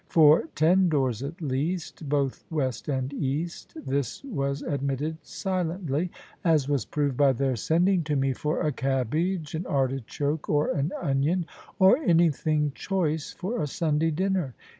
For ten doors at least, both west and east, this was admitted silently; as was proved by their sending to me for a cabbage, an artichoke, or an onion, or anything choice for a Sunday dinner.